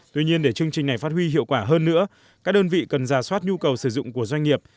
tuy nhiên để chương trình này phát huy hiệu quả hơn nữa các đơn vị cần giả soát nhu cầu sử dụng của doanh nghiệp